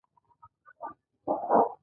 د بادغیس په مقر کې کوم ځنګلونه دي؟